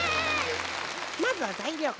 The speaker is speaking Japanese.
まずはざいりょうから。